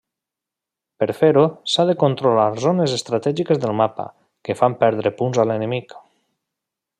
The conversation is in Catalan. Per fer-ho s'han de controlar zones estratègiques del mapa, que fan perdre punts a l'enemic.